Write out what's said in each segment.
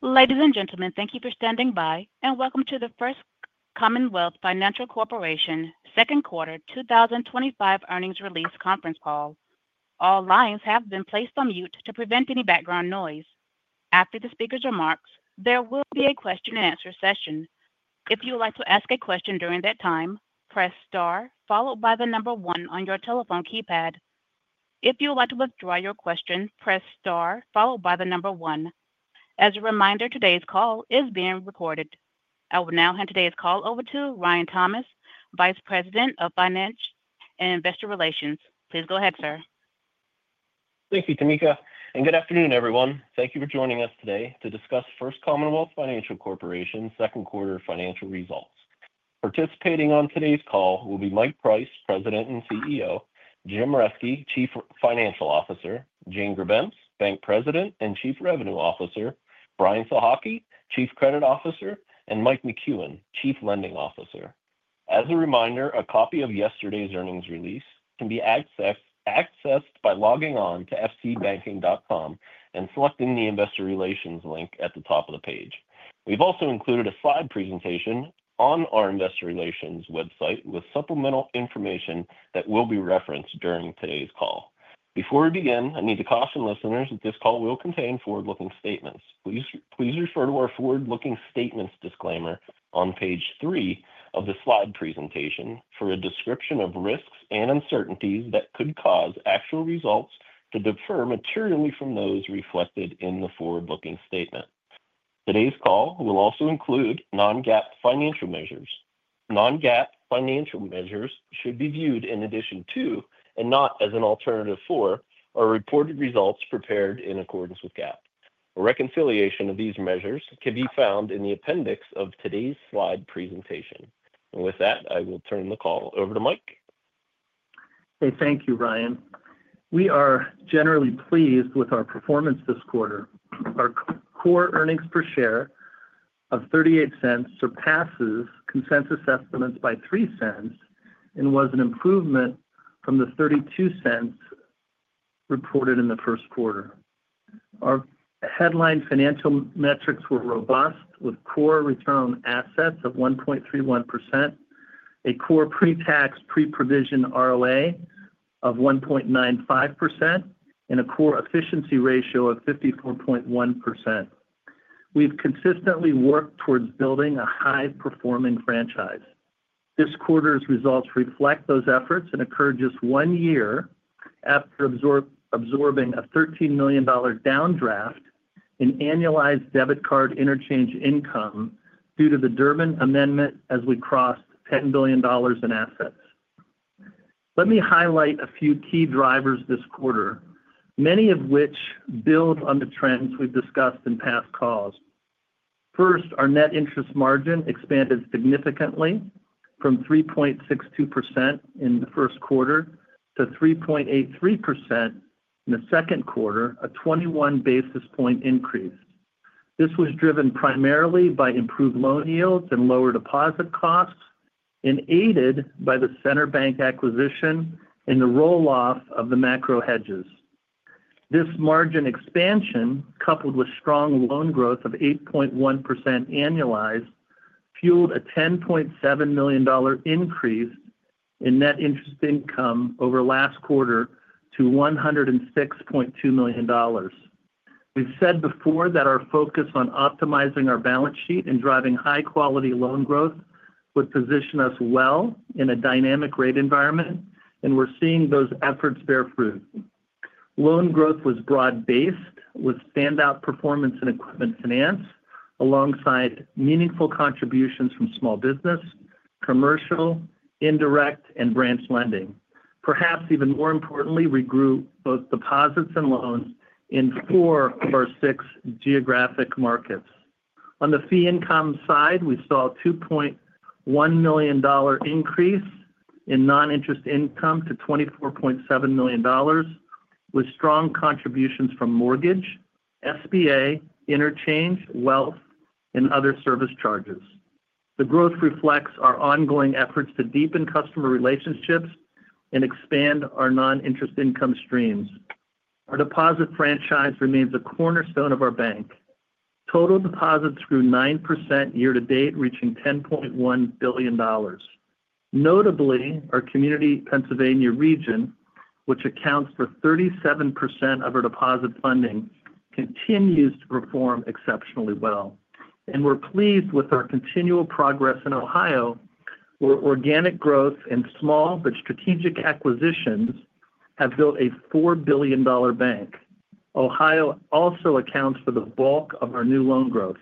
Ladies and gentlemen, thank you for standing by and welcome to the First Commonwealth Financial Corporation's Second Quarter 2025 Earnings Release Conference Call. All lines have been placed on mute to prevent any background noise. After the speaker's remarks, there will be a question and answer session. If you would like to ask a question during that time, press star, followed by the number one on your telephone keypad. If you would like to withdraw your question, press star, followed by the number one. As a reminder, today's call is being recorded. I will now hand today's call over to Ryan Thomas, Vice President of Finance and Investor Relations. Please go ahead, sir. Thank you, Tameka, and good afternoon, everyone. Thank you for joining us today to discuss First Commonwealth Financial Corporation's Second uarter financial results. Participating on today's call will be Mike Price, President and CEO, Jim Reske, Chief Financial Officer, Jane Grebenc, Bank President and Chief Revenue Officer, Brian Sohocki, Chief Credit Officer, and Mike McCuen, Chief Lending Officer. As a reminder, a copy of yesterday's earnings release can be accessed by logging on to fcbanking.com and selecting the Investor Relations link at the top of the page. We have also included a slide presentation on our Investor Relations website with supplemental information that will be referenced during today's call. Before we begin, I need to caution listeners that this call will contain forward-looking statements. Please refer to our forward-looking statements disclaimer on page three of the slide presentation for a description of risks and uncertainties that could cause actual results to differ materially from those reflected in the forward-looking statement. Today's call will also include non-GAAP financial measures. Non-GAAP financial measures should be viewed in addition to and not as an alternative for our reported results prepared in accordance with GAAP. A reconciliation of these measures can be found in the appendix of today's slide presentation. With that, I will turn the call over to Mike. Hey, thank you, Ryan. We are generally pleased with our performance this quarter. Our core earnings per share of $0.38 surpasses consensus estimates by $0.03 and was an improvement from the $0.32 reported in the first quarter. Our headline financial metrics were robust, with core return on assets of 1.31%, a core pre-tax, pre-provision ROA of 1.95%, and a core efficiency ratio of 54.1%. We've consistently worked towards building a high-performing franchise. This quarter's results reflect those efforts and occurred just one year after absorbing a $13 million down draft in annualized debit card interchange income due to the Durbin Amendment as we crossed $10 billion in assets. Let me highlight a few key drivers this quarter, many of which build on the trends we've discussed in past calls. First, our net interest margin expanded significantly from 3.62% in the first quarter to 3.83% in the second quarter, a 21 basis point increase. This was driven primarily by improved loan yields and lower deposit costs and aided by the Center Bank acquisition and the rollout of the macro hedges. This margin expansion, coupled with strong loan growth of 8.1% annualized, fueled a $10.7 million increase in net interest income over last quarter to $106.2 million. We've said before that our focus on optimizing our balance sheet and driving high-quality loan growth would position us well in a dynamic rate environment, and we're seeing those efforts bear fruit. Loan growth was broad-based with standout performance in equipment finance, alongside meaningful contributions from small business, commercial, indirect, and branch lending. Perhaps even more importantly, we grew both deposits and loans in four of our six geographic markets. On the fee income side, we saw a $2.1 million increase in non-interest income to $24.7 million, with strong contributions from mortgage, SBA, interchange, wealth, and other service charges. The growth reflects our ongoing efforts to deepen customer relationships and expand our non-interest income streams. Our deposit franchise remains a cornerstone of our bank. Total deposits grew 9% year-to-date, reaching $10.1 billion. Notably, our community Pennsylvania region, which accounts for 37% of our deposit funding, continues to perform exceptionally well. We're pleased with our continual progress in Ohio, where organic growth and small but strategic acquisitions have built a $4 billion bank. Ohio also accounts for the bulk of our new loan growth.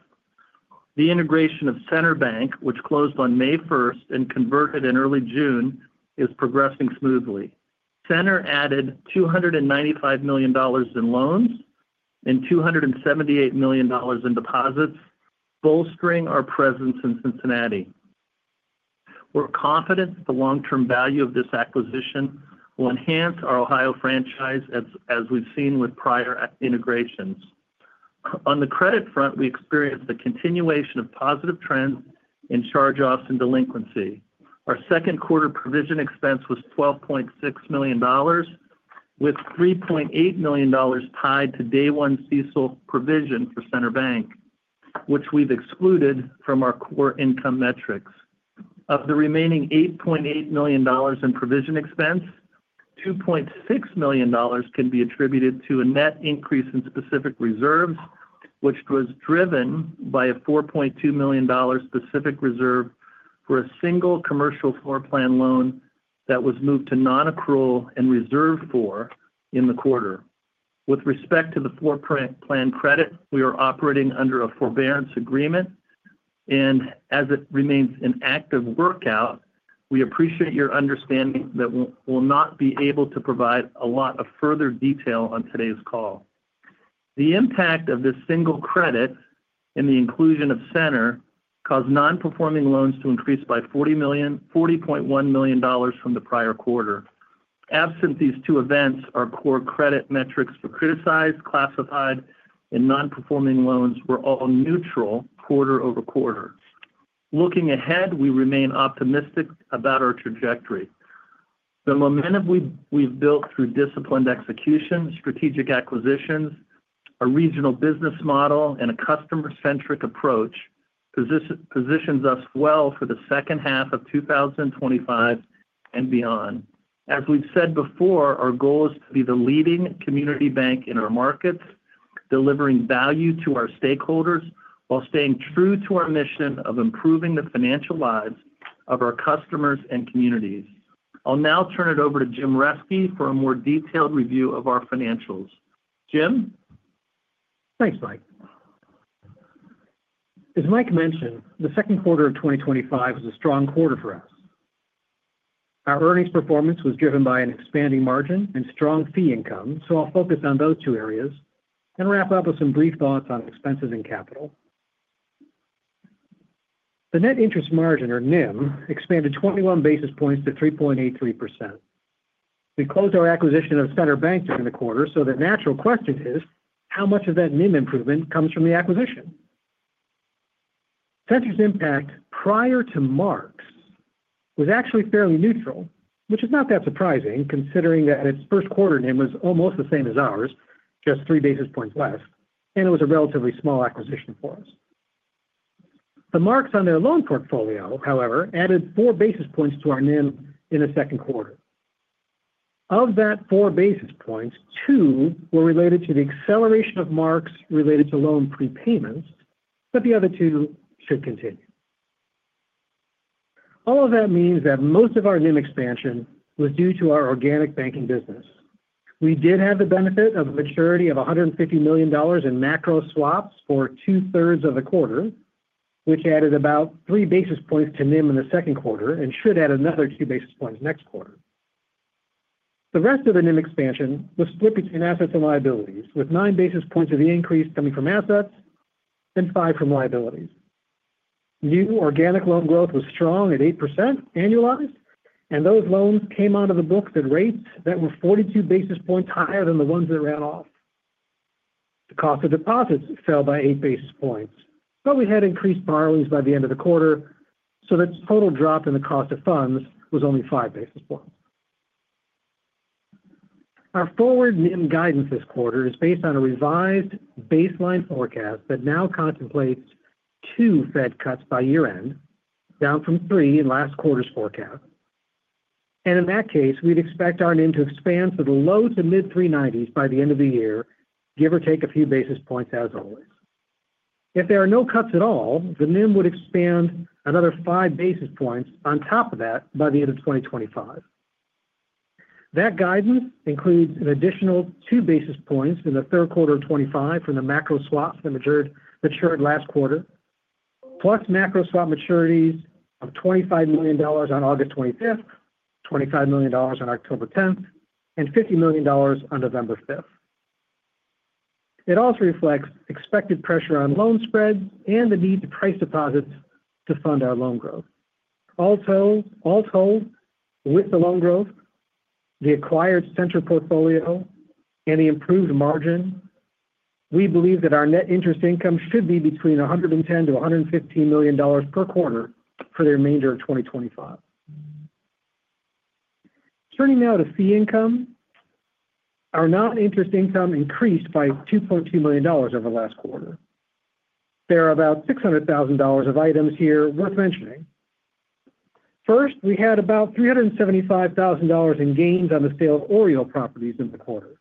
The integration of Center Bank, which closed on May 1st and converted in early June, is progressing smoothly. Center added $295 million in loans and $278 million in deposits, bolstering our presence in Cincinnati. We're confident that the long-term value of this acquisition will enhance our Ohio franchise, as we've seen with prior integrations. On the credit front, we experienced the continuation of positive trends in charge-offs and delinquency. Our second quarter provision expense was $12.6 million, with $3.8 million tied to day one CECL provision for Center Bank, which we've excluded from our core income metrics. Of the remaining $8.8 million in provision expense, $2.6 million can be attributed to a net increase in specific reserves, which was driven by a $4.2 million specific reserve for a single commercial floor plan loan that was moved to non-accrual and reserved for in the quarter. With respect to the floor plan credit, we are operating under a forbearance agreement, and as it remains an active workout, we appreciate your understanding that we'll not be able to provide a lot of further detail on today's call. The impact of this single credit and the inclusion of Center caused non-performing loans to increase by $40.1 million from the prior quarter. Absent these two events, our core credit metrics were criticized, classified, and non-performing loans were all neutral quarter-over-quarter. Looking ahead, we remain optimistic about our trajectory. The momentum we've built through disciplined execution, strategic acquisitions, a regional business model, and a customer-centric approach positions us well for the second half of 2025 and beyond. As we've said before, our goal is to be the leading community bank in our markets, delivering value to our stakeholders while staying true to our mission of improving the financial lives of our customers and communities. I'll now turn it over to Jim Reske for a more detailed review of our financials. Jim? Thanks, Mike. As Mike mentioned, the second quarter of 2025 was a strong quarter for us. Our earnings performance was driven by an expanding margin and strong fee income, so I'll focus on those two areas and wrap up with some brief thoughts on expenses and capital. The net interest margin, or NIM, expanded 21 basis points to 3.83%. We closed our acquisition of Center Bank in the quarter, so the natural question is, how much of that NIM improvement comes from the acquisition? Center's impact prior to March was actually fairly neutral, which is not that surprising considering that its first quarter NIM was almost the same as ours, just three basis points less, and it was a relatively small acquisition for us. The marks on their loan portfolio, however, added four basis points to our NIM in the second quarter. Of that four basis points, two were related to the acceleration of marks related to loan prepayments, but the other two should continue. All of that means that most of our NIM expansion was due to our organic banking business. We did have the benefit of a maturity of $150 million in macro swaps for two thirds of the quarter, which added about three basis points to NIM in the second quarter and should add another two basis points next quarter. The rest of the NIM expansion was split between assets and liabilities, with nine basis points of the increase coming from assets and five from liabilities. New organic loan growth was strong at 8% annualized, and those loans came onto the books at rates that were 42 basis points higher than the ones that ran off. The cost of deposits fell by eight basis points, but we had increased borrowings by the end of the quarter, so the total drop in the cost of funds was only five basis points. Our forward NIM guidance this quarter is based on a revised baseline forecast that now contemplates two Fed cuts by year-end, down from three in last quarter's forecast. In that case, we'd expect our NIM to expand to the low to mid 390s by the end of the year, give or take a few basis points as always. If there are no cuts at all, the NIM would expand another five basis points on top of that by the end of 2025. That guidance includes an additional two basis points in the third quarter of 2025 from the macro swaps that matured last quarter, plus macro swap maturities of $25 million on August 25th, $25 million on October 10th, and $50 million on November 5th. It also reflects expected pressure on loan spread and the need to price deposits to fund our loan growth. All told, with the loan growth, the acquired Center Bank portfolio, and the improved margin, we believe that our net interest income should be between $110 million - $115 million per quarter for the remainder of 2025. Turning now to fee income, our non-interest income increased by $2.2 million over the last quarter. There are about $600,000 of items here worth mentioning. First, we had about $375,000 in gains on the sale of OREO properties in the quarter.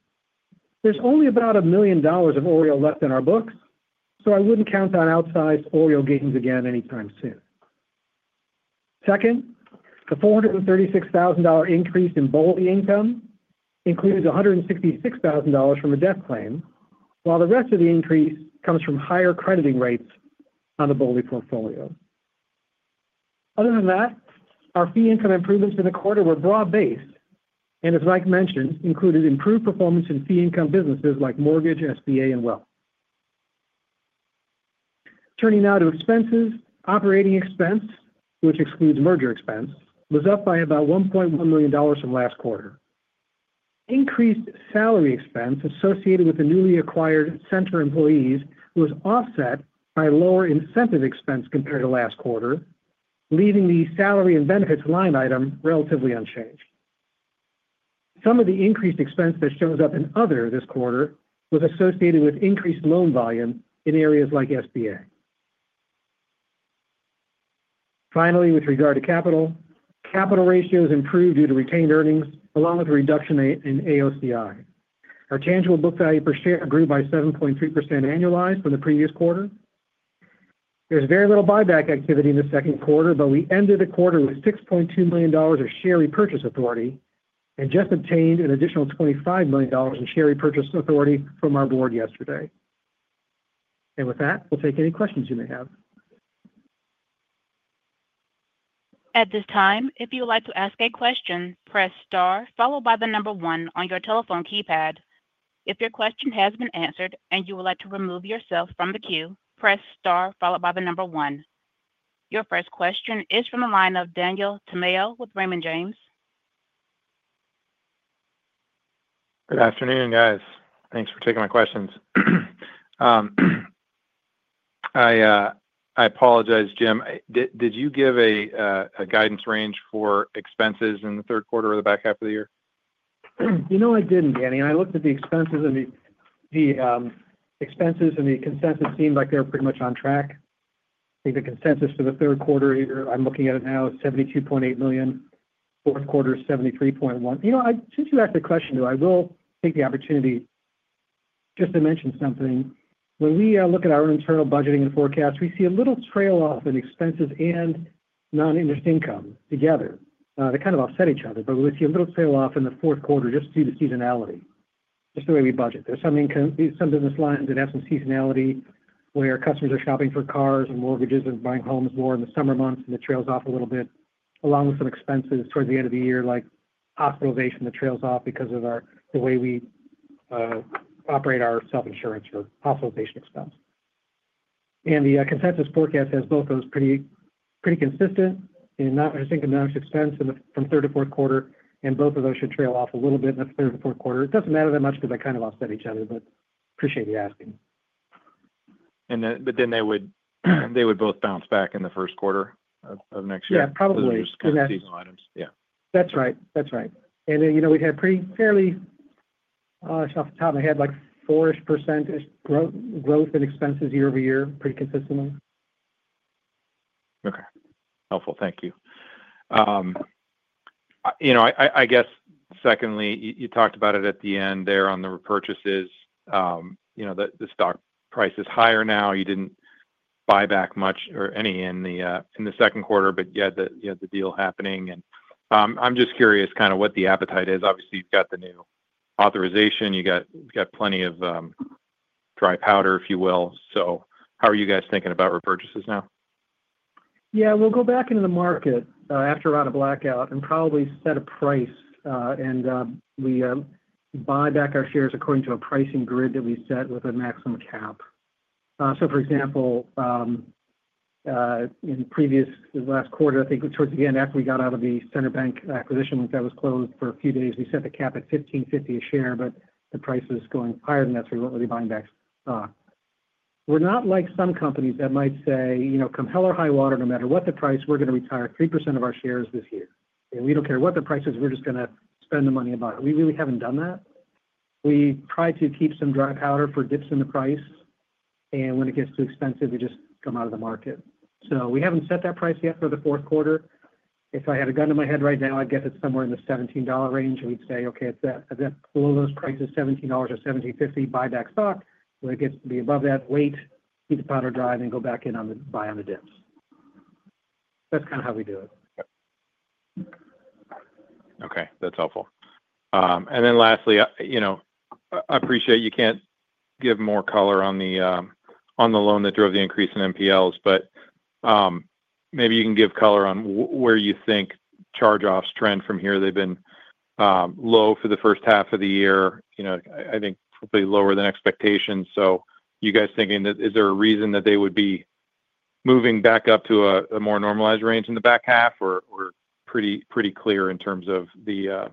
There's only about $1 million of OREO left in our books, so I wouldn't count on outside OREO gains again anytime soon. Second, the $436,000 increase in BOLI income included $166,000 from a debt claim, while the rest of the increase comes from higher crediting rates on the BOLI portfolio. Other than that, our fee income improvements for the quarter were broad-based and, as Mike mentioned, included improved performance in fee income businesses like mortgage, SBA, and wealth. Turning now to expenses, operating expense, which excludes merger expense, was up by about $1.1 million from last quarter. Increased salary expense associated with the newly acquired Center employees was offset by lower incentive expense compared to last quarter, leaving the salary and benefits line item relatively unchanged. Some of the increased expense that shows up in other this quarter was associated with increased loan volume in areas like SBA. Finally, with regard to capital, capital ratios improved due to retained earnings, along with a reduction in AOCI. Our tangible book value per share grew by 7.3% annualized from the previous quarter. There was very little buyback activity in the second quarter, but we ended the quarter with $6.2 million of share repurchase authority and just obtained an additional $25 million in share repurchase authority from our board yesterday. With that, we'll take any questions you may have. At this time, if you would like to ask a question, press star followed by the number one on your telephone keypad. If your question has been answered and you would like to remove yourself from the queue, press star followed by the number one. Your first question is from the line of Daniel Tamayo with Raymond James. Good afternoon, guys. Thanks for taking my questions. I apologize, Jim. Did you give a guidance range for expenses in the third quarter or the back half of the year? I didn't, Daniel. I looked at the expenses, and the expenses and the consensus seemed like they were pretty much on track. I think the consensus for the third quarter here, I'm looking at it now, is $72.8 million. Fourth quarter is $73.1 million. Since you asked the question, though, I will take the opportunity just to mention something. When we look at our internal budgeting and forecast, we see a little trail off in expenses and non-interest income together. They kind of offset each other, but we see a little trail off in the fourth quarter just due to seasonality, just the way we budget. There's some income, some business lines that have some seasonality where customers are shopping for cars and mortgages and buying homes more in the summer months, and it trails off a little bit, along with some expenses towards the end of the year, like hospitalization that trails off because of the way we operate our self-insurance or hospitalization expense. The consensus forecast has both those pretty consistent and not, I think, a notch expense from third - fourth quarter, and both of those should trail off a little bit in the third - fourth quarter. It doesn't matter that much because they kind of offset each other, but I appreciate you asking. They would both bounce back in the first quarter of next year? Yeah, probably. Because of seasonal items, yeah. That's right. That's right. We had pretty fairly, off the top of my head, like 4% growth in expenses year-over-year, pretty consistently. Okay. Helpful. Thank you. I guess secondly, you talked about it at the end there on the repurchases. The stock price is higher now. You didn't buy back much or any in the second quarter, but you had the deal happening. I'm just curious what the appetite is. Obviously, you've got the new authorization. You've got plenty of dry powder, if you will. How are you guys thinking about repurchases now? Yeah, we will go back into the market after a round of blackout and probably set a price, and we buy back our shares according to a pricing grid that we set with a maximum cap. For example, in the previous last quarter, I think towards the end after we got out of the Center Bank acquisition, once that was closed for a few days, we set the cap at $15.50 a share, but the price is going higher than that, so we were not really buying back stock. We are not like some companies that might say, you know, come hell or high water, no matter what the price, we are going to retire 3% of our shares this year. We do not care what the price is, we are just going to spend the money and buy it. We really have not done that. We try to keep some dry powder for dips in the price, and when it gets too expensive, we just come out of the market. We have not set that price yet for the fourth quarter. If I had a gun in my head right now, I guess it is somewhere in the $17 range, and we would say, okay, at that lowest price of $17 or $17.50, buy back stock. When it gets to be above that, wait, keep the powder dry, and then go back in on the buy on the dips. That is kind of how we do it. Okay. That's helpful. Lastly, you know, I appreciate you can't give more color on the loan that drove the increase in NPLs, but maybe you can give color on where you think charge-offs trend from here. They've been low for the first half of the year. You know, I think probably lower than expectations. You guys thinking that is there a reason that they would be moving back up to a more normalized range in the back half, or pretty clear in terms of the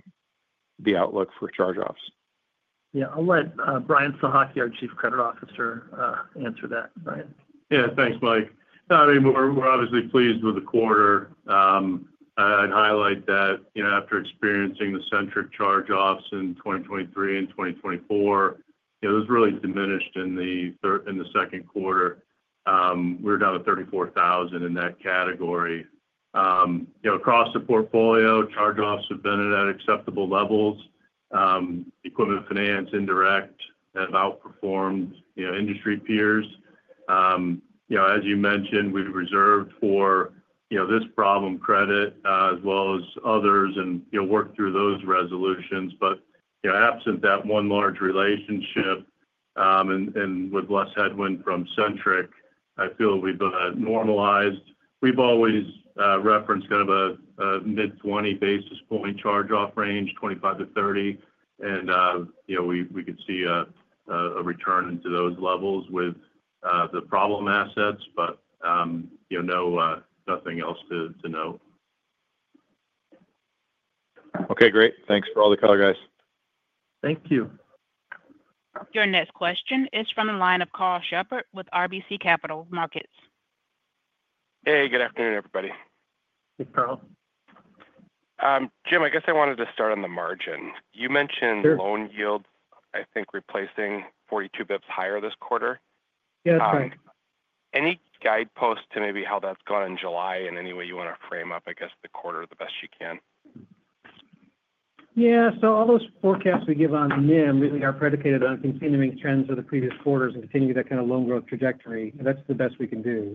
outlook for charge-offs? Yeah, I'll let Brian Sohocki, our Chief Credit Officer, answer that. Brian. Yeah, thanks, Mike. No, I mean, we're obviously pleased with the quarter. I'd highlight that after experiencing the centric charge-offs in 2023 and 2024, those really diminished in the third and the second quarter. We were down to $34,000 in that category. Across the portfolio, charge-offs have been at acceptable levels. Equipment finance, indirect have outperformed industry peers. As you mentioned, we reserved for this problem credit, as well as others, and worked through those resolutions. Absent that one large relationship, and with less headwind from centric, I feel we've been normalized. We've always referenced kind of a mid-20 base points charge-off range, 25 - 30. We could see a return into those levels with the problem assets, but no, nothing else to note. Okay, great. Thanks for all the color, guys. Thank you. Your next question is from the line of Karl Shepard with RBC Capital Markets. Hey, good afternoon, everybody. Hey, Karl. Jim, I guess I wanted to start on the margin. You mentioned loan yield, I think, replacing 42 bps higher this quarter? Yeah, that's right. Any guidepost to maybe how that's gone in July and any way you want to frame up, I guess, the quarter the best you can? Yeah, so all those forecasts we give on NIM really got predicated on continuing trends of the previous quarters and continuing that kind of loan growth trajectory. That's the best we can do.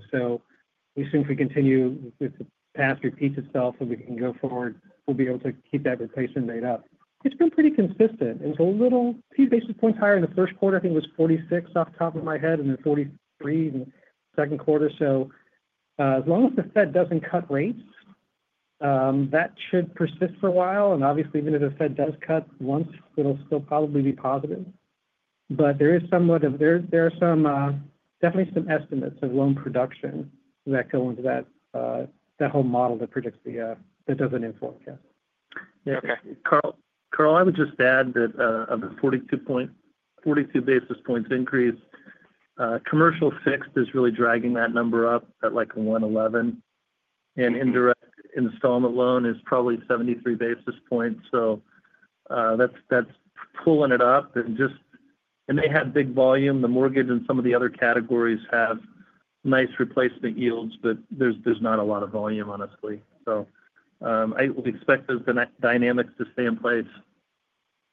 We think if we continue with the path repeats itself and we can go forward, we'll be able to keep that replacement rate up. It's been pretty consistent. It was a little few basis points higher in the first quarter. I think it was 46 off the top of my head and then 43 in the second quarter. As long as the Fed doesn't cut rates, that should persist for a while. Obviously, even if the Fed does cut once, it'll still probably be positive. There is somewhat of, there are some, definitely some estimates of loan production that go into that whole model that predicts the - that does the NIM forecast. Yeah. Okay. Karl, I would just add that, of a 42 basis points increase, commercial fixed is really dragging that number up at like 111. Indirect installment loan is probably 73 basis points. That's pulling it up. They had big volume. The mortgage and some of the other categories have nice replacement yields, but there's not a lot of volume, honestly. I would expect those dynamics to stay in place.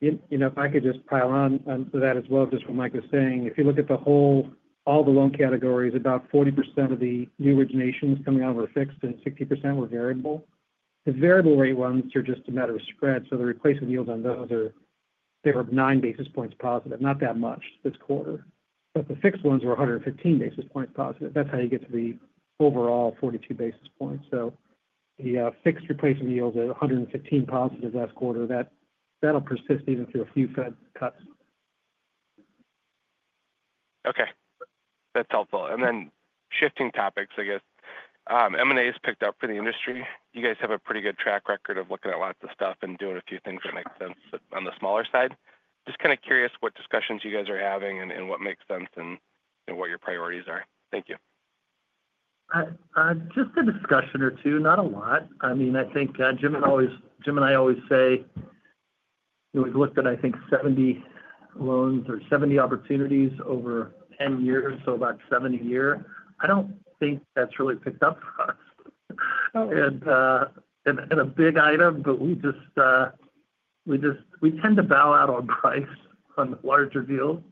If I could just pile on to that as well, just what Mike was saying. If you look at all the loan categories, about 40% of the new originations coming out were fixed and 60% were variable. The variable rate ones are just a matter of spread. The replacement yields on those, they were nine basis points positive, not that much this quarter. The fixed ones were 115 basis points positive. That's how you get to the overall 42 basis points. The fixed replacement yields at 115 positive last quarter, that'll persist even through a few Fed cuts. Okay. That's helpful. Shifting topics, I guess, M&A has picked up for the industry. You guys have a pretty good track record of looking at lots of stuff and doing a few things that make sense on the smaller side. Just kind of curious what discussions you guys are having and what makes sense and what your priorities are? Thank you. Just a discussion or two, not a lot. I mean, I think Jim and I always say we've looked at, I think, 70 loans or 70 opportunities over 10 years, so about 70 a year. I don't think that's really picked up for us. A big item, we just tend to bow out on price on larger deals,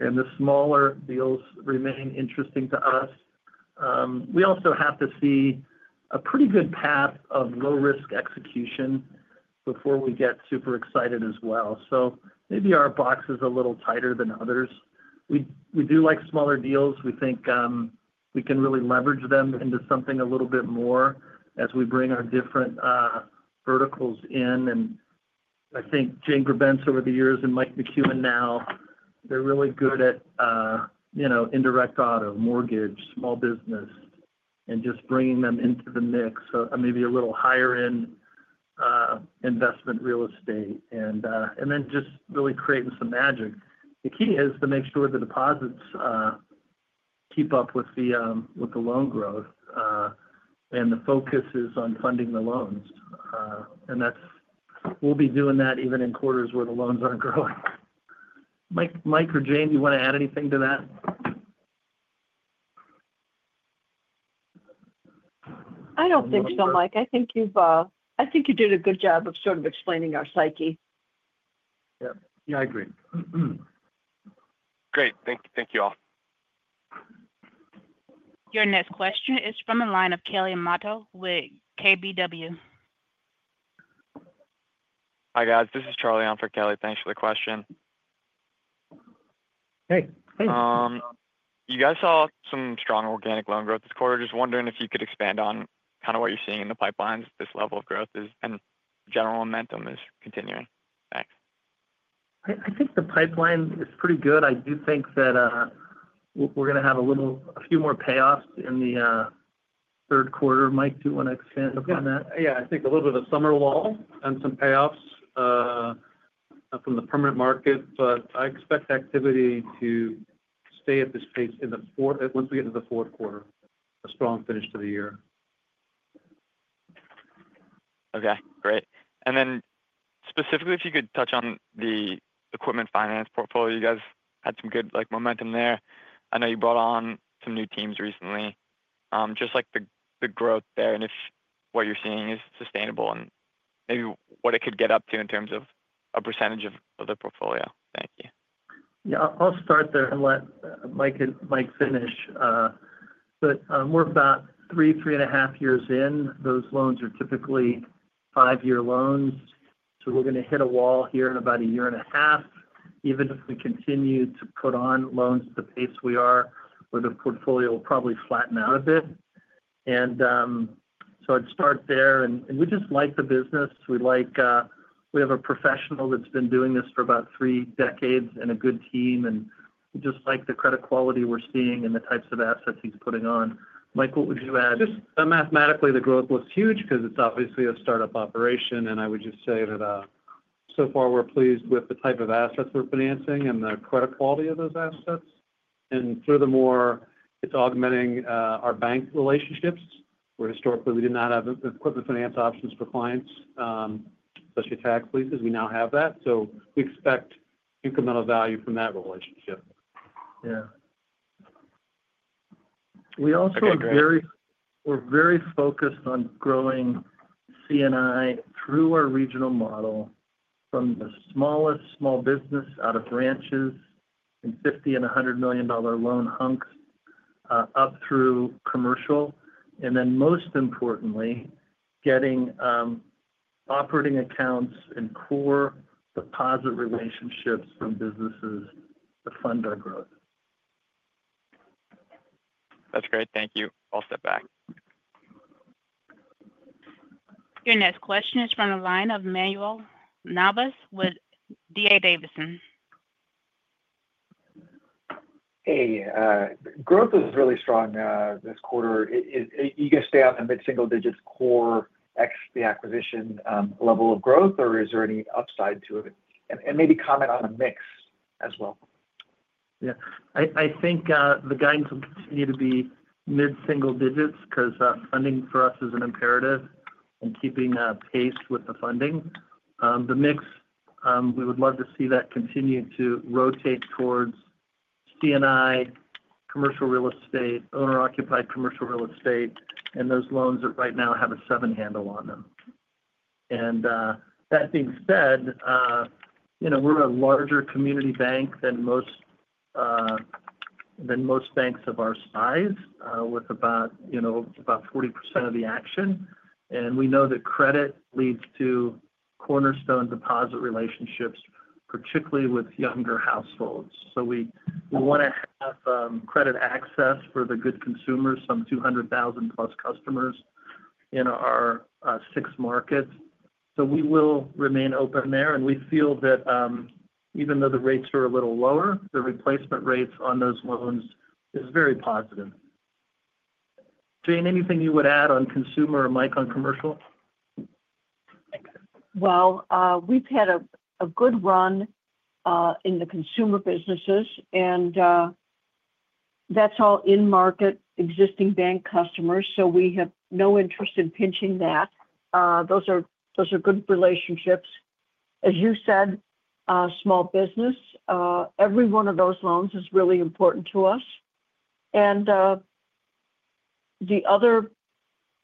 and the smaller deals remain interesting to us. We also have to see a pretty good path of low-risk execution before we get super excited as well. Maybe our box is a little tighter than others. We do like smaller deals. We think we can really leverage them into something a little bit more as we bring our different verticals in. I think Jane Grebenc over the years and Mike McCuen now, they're really good at indirect auto, mortgage, small business, and just bringing them into the mix, maybe a little higher-end investment real estate, and then just really creating some magic. The key is to make sure the deposits keep up with the loan growth, and the focus is on funding the loans. We'll be doing that even in quarters where the loans aren't growing. Mike or Jane, do you want to add anything to that? I don't think so, Mike. I think you did a good job of sort of explaining our psyche. Yeah, I agree. Great. Thank you. Thank you all. Your next question is from a line of Kelly Motta with KBW. Hi, guys. This is Charlie on for Kelly. Thanks for the question. Hey, hey. You guys saw some strong organic loan growth this quarter. Just wondering if you could expand on kind of what you're seeing in the pipelines at this level of growth is, and if general momentum is continuing? Thanks. I think the pipeline is pretty good. I do think that we're going to have a few more payoffs in the third quarter. Mike, do you want to expand on that? Yeah. I think a little bit of a summer lull on some payoffs from the permanent market, but I expect activity to stay at this pace in the fourth once we get into the fourth quarter, a strong finish to the year. Okay. Great. If you could touch on the equipment finance portfolio, you guys had some good momentum there. I know you brought on some new teams recently, just the growth there and if what you're seeing is sustainable and maybe what it could get up to in terms of a percentage of the portfolio? Thank you. Yeah, I'll start there and let Mike finish. We're about three, three and a half years in. Those loans are typically five-year loans. We're going to hit a wall here in about a year and a half. Even if we continue to put on loans at the pace we are, the portfolio will probably flatten out a bit. I'd start there. We just like the business. We have a professional that's been doing this for about three decades and a good team. We just like the credit quality we're seeing and the types of assets he's putting on. Mike, what would you add? Mathematically, the growth looks huge because it's obviously a startup operation. I would just say that, so far, we're pleased with the type of assets we're financing and the credit quality of those assets. Furthermore, it's augmenting our bank relationships, where historically, we did not have equipment finance options for clients, especially tax leases. We now have that. We expect incremental value from that relationship. Yeah. We also are very focused on growing C&I through our regional model from the smallest small business out of branches and $50 million and $100 million loan hunks, up through commercial. Most importantly, getting operating accounts and core deposit relationships from businesses to fund our growth. That's great. Thank you. I'll step back. Your next question is from a line of Manuel Navas with D.A. Davidson. Hey, growth is really strong this quarter. You guys stay out in mid-single digits core ex-acquisition level of growth, or is there any upside to it? Maybe comment on a mix as well. Yeah. I think the guidance would need to be mid-single digits because funding for us is an imperative and keeping pace with the funding. The mix, we would love to see that continue to rotate towards CNI, commercial real estate, owner-occupied commercial real estate, and those loans that right now have a seven handle on them. That being said, we're a larger community bank than most banks of our size, with about 40% of the action. We know that credit leads to cornerstone deposit relationships, particularly with younger households. We want to have credit access for the good consumers, some $200,000 plus customers in our six markets. We will remain open there. We feel that even though the rates are a little lower, the replacement rates on those loans are very positive. Jane, anything you would add on consumer or Mike on commercial? We have had a good run in the consumer businesses, and that's all in-market existing bank customers. We have no interest in pinching that. Those are good relationships. As you said, small business, every one of those loans is really important to us. The other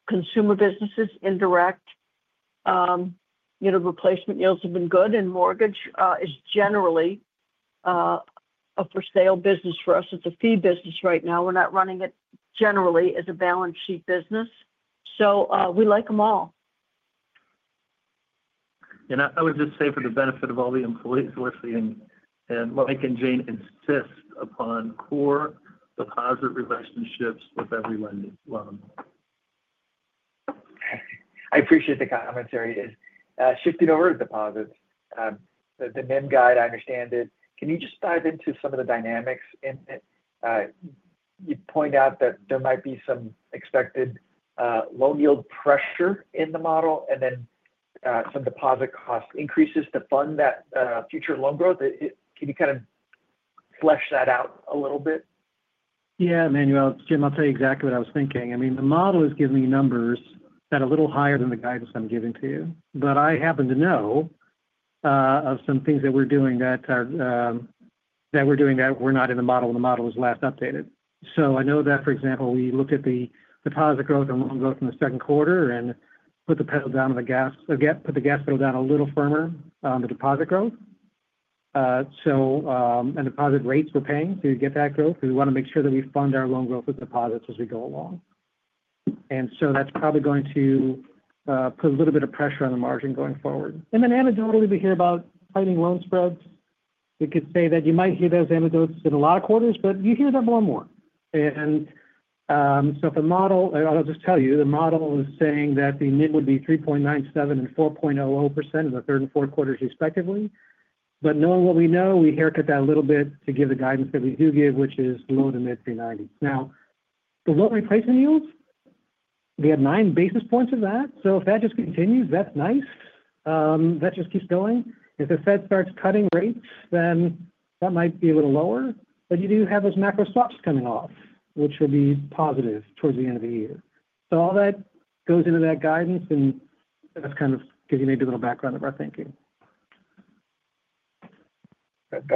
consumer businesses, indirect, you know, replacement yields have been good, and mortgage is generally a for-sale business for us. It's a fee business right now. We're not running it generally as a balance sheet business. We like them all. I would just say for the benefit of all the employees listening, Mike and Jane insist upon core deposit relationships with every loan. I appreciate the commentary. Shifting over to deposits, the NIM guide, I understand it. Can you just dive into some of the dynamics? You point out that there might be some expected loan yield pressure in the model and then some deposit cost increases to fund that future loan growth. Can you kind of flesh that out a little bit? Yeah, Manuel. Jim, I'll tell you exactly what I was thinking. I mean, the model is giving you numbers that are a little higher than the guidance I'm giving to you. I happen to know of some things that we're doing that are not in the model, and the model was last updated. For example, we looked at the deposit growth and loan growth in the second quarter and put the gas pedal down a little firmer on the deposit growth. The deposit rates we're paying to get that growth, we want to make sure that we fund our loan growth with deposits as we go along. That's probably going to put a little bit of pressure on the margin going forward. Anecdotally, we hear about tightening loan spreads. You might hear those anecdotes in a lot of quarters, but you hear them more and more. The model is saying that the NIM would be 3.97% and 4.00% in the third and fourth quarters, respectively. Knowing what we know, we haircut that a little bit to give the guidance that we do give, which is low to mid 390s. The loan replacement yields, we had nine basis points of that. If that just continues, that's nice. That just keeps going. If the Fed starts cutting rates, then that might be a little lower. You do have those macro swaps coming off, which would be positive towards the end of the year. All that goes into that guidance, and that kind of gives you maybe a little background of our thinking. That's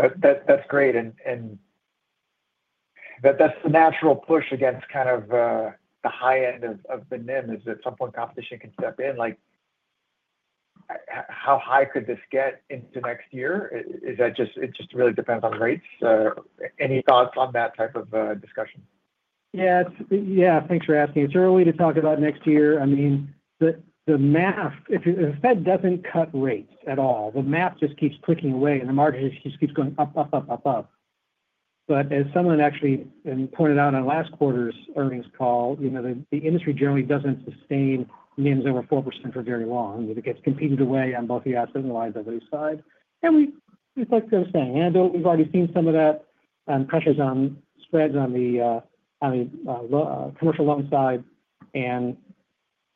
great. That's the natural push against kind of the high end of the NIM, is that at some point, competition can step in. Like how high could this get into next year? Is that just, it just really depends on the rates? Any thoughts on that type of discussion? Yeah, thanks for asking. It's early to talk about next year. I mean, the math, if the Fed doesn't cut rates at all, the math just keeps clicking away, and the market just keeps going up, up, up, up, up. As someone actually pointed out in the last quarter's earnings call, you know, the industry generally doesn't sustain NIMs over 4% for very long. It gets competed away on both the asset and liability side. Just like I was saying, we've already seen some of that pressure on spreads on the commercial loan side and,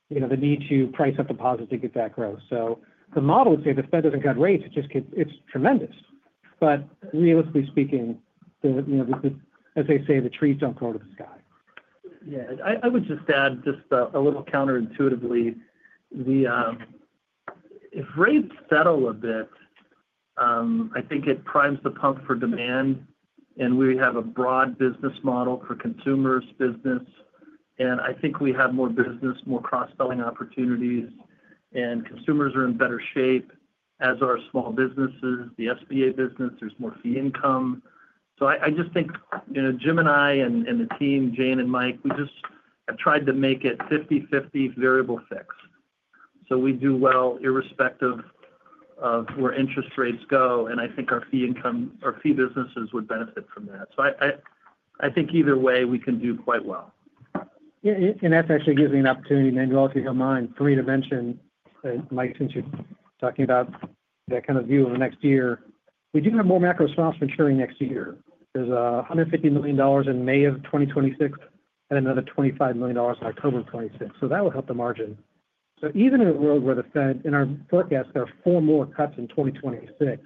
you know, the need to price up deposits to get that growth. The model would say if the Fed doesn't cut rates, it just could, it's tremendous. Realistically speaking, you know, as they say, the trees don't grow to the sky. Yeah, I would just add just a little counterintuitively, if rates settle a bit, I think it primes the pump for demand, and we have a broad business model for consumers' business. I think we have more business, more cross-selling opportunities, and consumers are in better shape as are small businesses, the SBA business. There's more fee income. I just think, you know, Jim and I and the team, Jane and Mike, we just have tried to make it 50/50 variable fix. We do well irrespective of where interest rates go. I think our fee income, our fee businesses would benefit from that. I think either way, we can do quite well. Yeah, that actually gives me an opportunity, Manuel, to mention Mike, since you're talking about that kind of view in the next year. We do have more macro swaps maturing next year. There's $150 million in May of 2026 and another $25 million in October of 2026. That will help the margin. Even in a world where the Fed, in our forecast, there are four more cuts in 2026,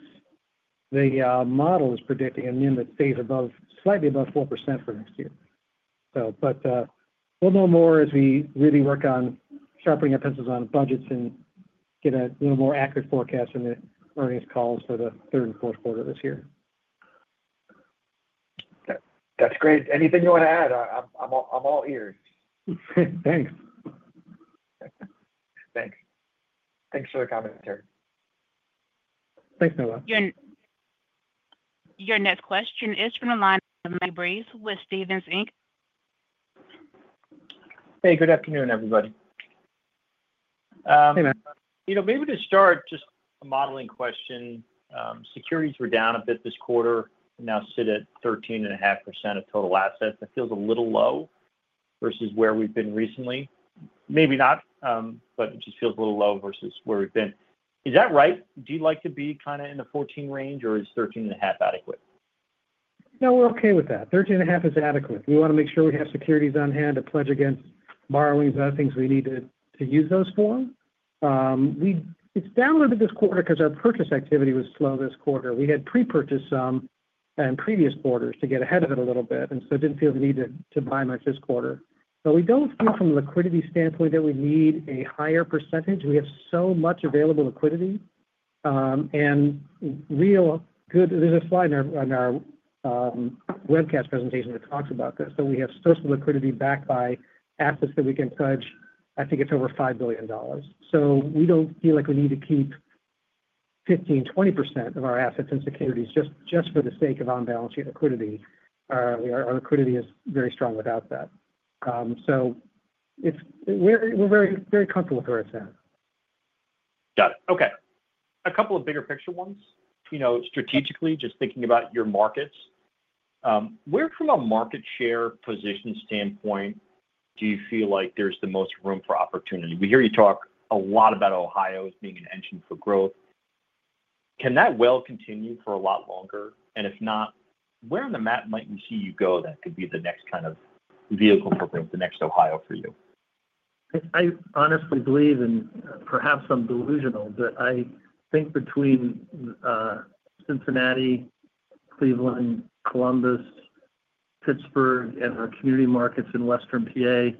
the model is predicting a NIM that stays slightly above 4% for next year. We'll know more as we really work on sharpening our pencils on budgets and get a more accurate forecast in the earnings calls for the third and fourth quarter of this year. That's great. Anything you want to add? I'm all ears. Thanks. Thanks. Thanks for the commentary. Thanks, Manuel. Your next question is from a line of Emily Brees with Stephens Inc. Hey, good afternoon, everybody. Hey, man. You know, maybe to start, just a modeling question. Securities were down a bit this quarter and now sit at 13.5% of total assets. That feels a little low versus where we've been recently. Maybe not, but it just feels a little low versus where we've been. Is that right? Do you like to be kind of in the 14% range, or is 13.5% adequate? No, we're okay with that. 13.5% is adequate. We want to make sure we have securities on hand to pledge against borrowings and other things we need to use those for. It's down a little bit this quarter because our purchase activity was slow this quarter. We had pre-purchased some in previous quarters to get ahead of it a little bit. I didn't feel the need to buy much this quarter. We don't feel from a liquidity standpoint that we need a higher percentage. We have so much available liquidity, and real good, there's a slide on our webcast presentation that talks about this. We have social liquidity backed by assets that we can pledge. I think it's over $5 billion. We don't feel like we need to keep 15% or 20% of our assets in securities just for the sake of on-balance sheet liquidity. Our liquidity is very strong without that. We're very, very comfortable with where it's at. Got it. Okay. A couple of bigger picture ones, strategically, just thinking about your markets. Where from a market share position standpoint do you feel like there's the most room for opportunity? We hear you talk a lot about Ohio as being an engine for growth. Can that well continue for a lot longer? If not, where on the map might you see you go that could be the next kind of vehicle for growth, the next Ohio for you? I honestly believe, and perhaps I'm delusional, but I think between Cincinnati, Cleveland, Columbus, Pittsburgh, and our community markets in Western PA,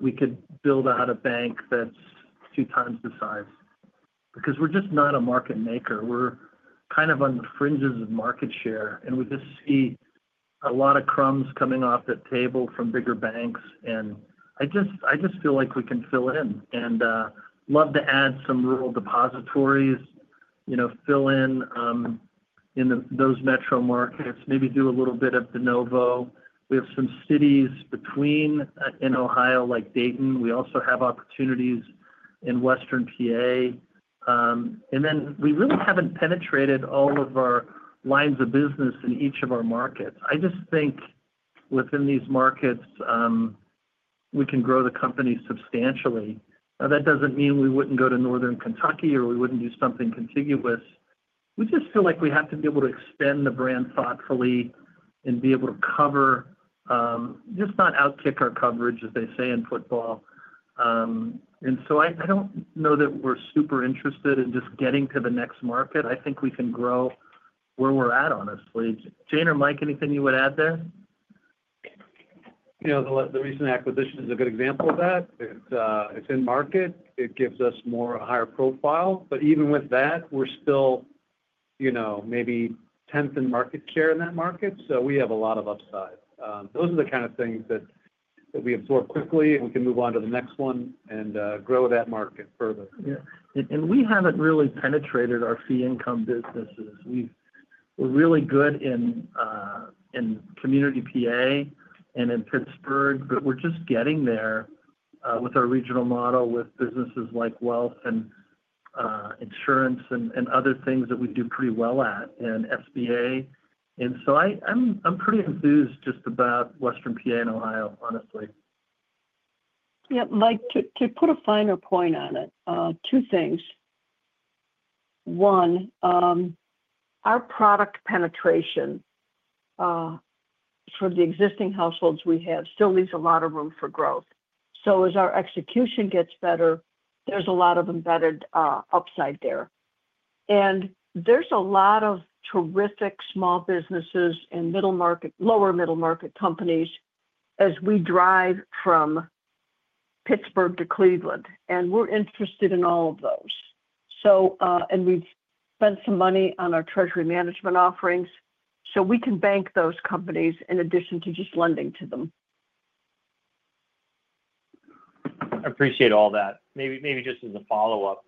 we could build out a bank that's two times the size because we're just not a market maker. We're kind of on the fringes of market share, and we just see a lot of crumbs coming off the table from bigger banks. I just feel like we can fill in and love to add some rural depositories, you know, fill in in those metro markets, maybe do a little bit of de novo. We have some cities in Ohio like Dayton. We also have opportunities in Western PA. We really haven't penetrated all of our lines of business in each of our markets. I just think within these markets, we can grow the company substantially. That doesn't mean we wouldn't go to Northern Kentucky or we wouldn't do something contiguous. We just feel like we have to be able to extend the brand thoughtfully and be able to cover, just not outkick our coverage, as they say in football. I don't know that we're super interested in just getting to the next market. I think we can grow where we're at, honestly. Jane or Mike, anything you would add there? The recent acquisition is a good example of that. It is in market. It gives us more of a higher profile. Even with that, we are still, you know, maybe 10th in market share in that market. We have a lot of upside. Those are the kind of things that we absorb quickly, and we can move on to the next one and grow that market further. Yeah. We haven't really penetrated our fee income businesses. We're really good in community PA and in Pittsburgh, but we're just getting there with our regional model, with businesses like wealth and insurance and other things that we do pretty well at and SBA. I'm pretty enthused just about Western PA and Ohio, honestly. Yeah. Mike, to put a finer point on it, two things. One, our product penetration from the existing households we have still leaves a lot of room for growth. As our execution gets better, there's a lot of embedded upside there. There's a lot of terrific small businesses and lower middle market companies as we drive from Pittsburgh to Cleveland. We're interested in all of those. We've spent some money on our treasury management offerings so we can bank those companies in addition to just lending to them. I appreciate all that. Maybe just as a follow-up,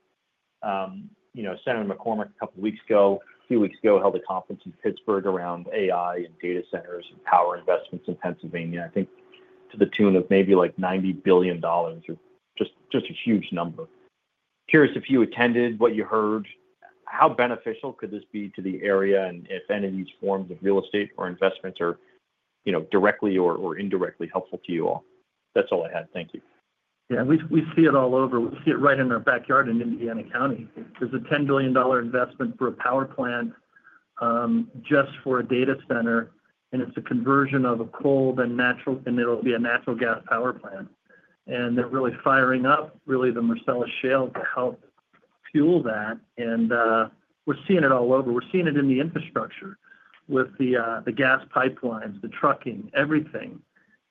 you know, Senator McCormick a couple of weeks ago, a few weeks ago, held a conference in Pittsburgh around AI and data centers and power investments in Pennsylvania. I think to the tune of maybe like $90 billion or just a huge number. I'm curious if you attended, what you heard, how beneficial could this be to the area and if any of these forms of real estate or investments are, you know, directly or indirectly helpful to you all? That's all I had. Thank you. Yeah. We see it all over. We see it right in our backyard in Indiana County. There's a $10 billion investment for a power plant just for a data center. It's a conversion of a coal and natural, and it'll be a natural gas power plant. They're really firing up, really, the Marcellus Shale to help fuel that. We're seeing it all over. We're seeing it in the infrastructure with the gas pipelines, the trucking, everything.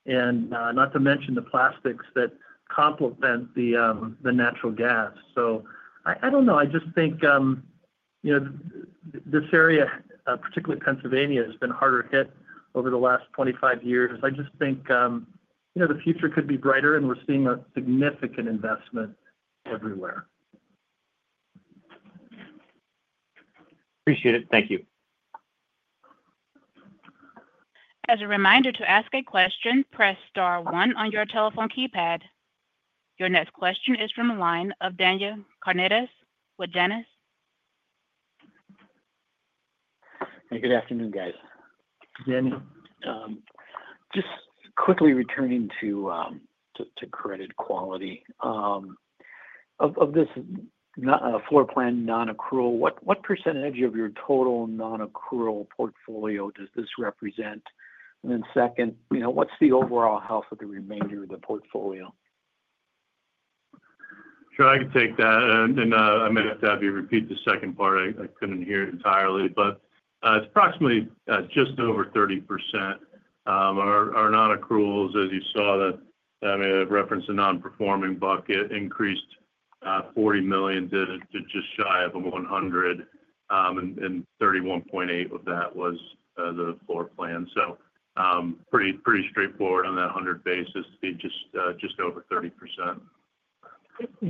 Not to mention the plastics that complement the natural gas. I don't know. I just think, you know, this area, particularly Pennsylvania, has been harder hit over the last 25 years. I just think, you know, the future could be brighter, and we're seeing a significant investment everywhere. Appreciate it. Thank you. As a reminder, to ask a question, press star one on your telephone keypad. Your next question is from the line of Dan Carnedes with Janney. Hey, good afternoon, guys. Jim, just quickly returning to credit quality. Of this floor plan non-accrual, what % of your total non-accrual portfolio does this represent? What's the overall health of the remainder of the portfolio? Sure. I could take that. I might have to have you repeat the second part. I couldn't hear it entirely, but it's approximately just over 30%. Our non-accruals, as you saw that, I mean, I've referenced the non-performing bucket increased $40 million to just shy of $100 million. And $31.8 million of that was the floor plan. Pretty straightforward on that $100 million basis to be just over 30%.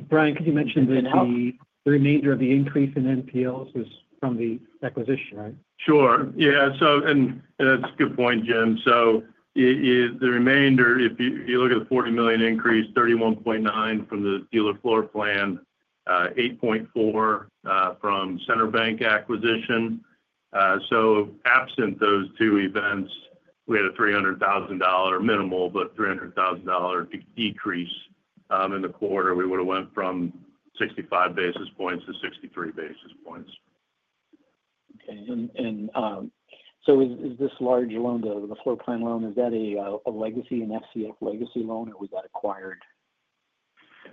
Brian, could you mention the remainder of the increase in NPLs was from the acquisition, right? Sure. Yeah. That's a good point, Jim. The remainder, if you look at the $40 million increase, $31.9 million from the dealer floor plan, $8.4 million from Center Bank acquisition. Absent those two events, we had a $300,000 minimal, but a $300,000 decrease in the quarter. We would have went from 65 basis points to 63 basis points. Okay. Is this larger loan, the floor plan loan, a legacy, an FCF legacy loan, or was that acquired?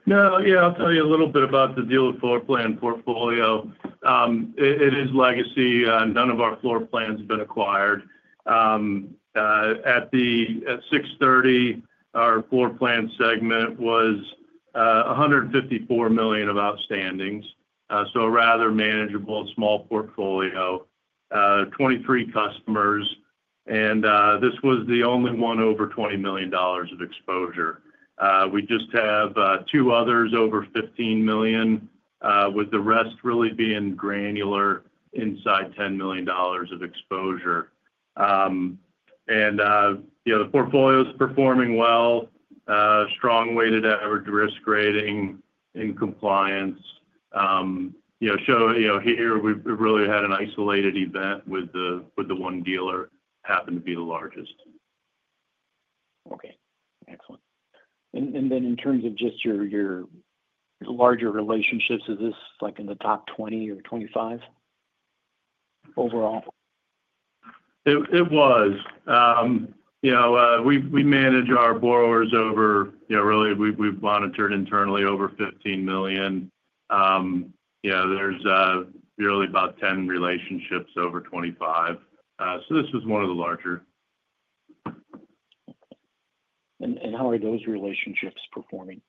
No. Yeah, I'll tell you a little bit about the dealer floor plan portfolio. It is legacy. None of our floor plans have been acquired. At the 6/30, our floor plan segment was $154 million of outstandings, so a rather manageable and small portfolio, 23 customers. This was the only one over $20 million of exposure. We just have two others over $15 million, with the rest really being granular inside $10 million of exposure. The portfolio is performing well. Strong weighted average risk rating in compliance. You know, here we really had an isolated event with the one dealer, happened to be the largest. In terms of just your larger relationships, is this like in the top 20 or 25 overall? It was. You know, we manage our borrowers over, you know, really, we've monitored internally over $15 million. There's really about 10 relationships over $25 million. This was one of the larger. How are those relationships performing?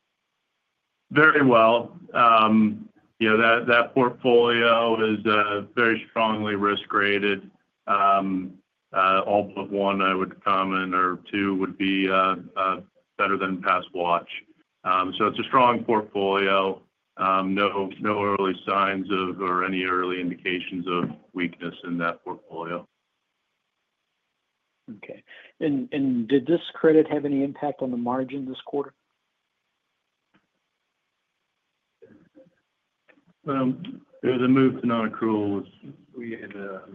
Very well. You know, that portfolio is very strongly risk-rated. All but one or two would be better than pass watch. It's a strong portfolio. No early signs or any early indications of weakness in that portfolio. Okay. Did this credit have any impact on the margin this quarter? There was a move to non-accrual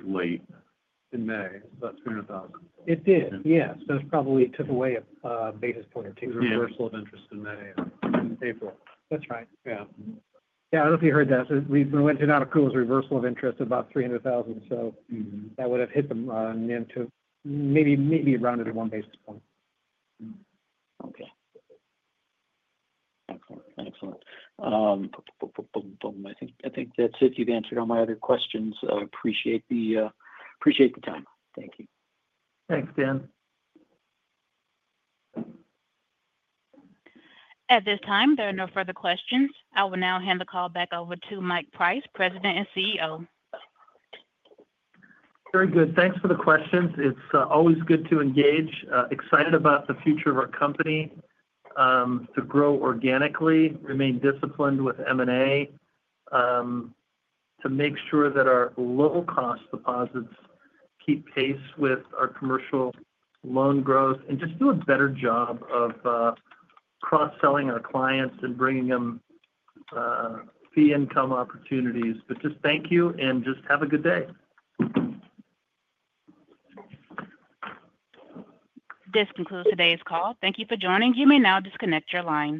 late in May, about $300,000. It did. Yeah, it probably took away a basis point or two. It was a reversal of interest in May. In April. That's right. I don't know if you heard that. We went to non-accruals, reversal of interest, about $300,000. That would have hit them into maybe rounded to one basis point. Excellent. I think that's it. You've answered all my other questions. I appreciate the time. Thank you. Thanks, Dan. At this time, there are no further questions. I will now hand the call back over to Mike Price, President and CEO. Very good. Thanks for the questions. It's always good to engage. Excited about the future of our company to grow organically, remain disciplined with M&A, to make sure that our low-cost deposits keep pace with our commercial loan growth, and do a better job of cross-selling our clients and bringing them fee income opportunities. Thank you and have a good day. This concludes today's call. Thank you for joining. You may now disconnect your lines.